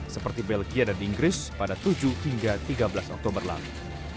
seperti belgia dan inggris pada tujuh hingga tiga belas oktober lalu